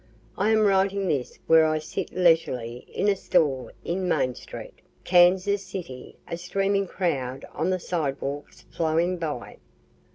I am writing this where I sit leisurely in a store in Main street, Kansas City, a streaming crowd on the sidewalks flowing by.